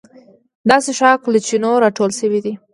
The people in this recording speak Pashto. دا څښاک له چینو راټول شوی دی.